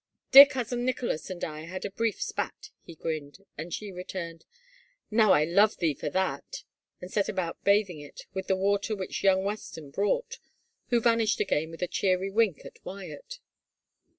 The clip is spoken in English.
" Dear cousin Nicholas and I had a brief spat," he grinned, and she returned, " Now I love thee for that !" and set about bathing it with the water which young Weston brought, who vanished again with a cheery wink at Wyatt.